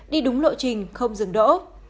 đi đúng lộ trình không dừng đỗ